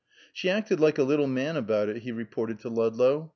"She acted like a little man about it," he reported to Ludlow.